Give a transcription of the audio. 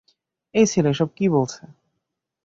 এই ছেলে এসব কী বলছে।